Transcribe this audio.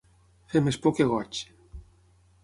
Fer més por que goig.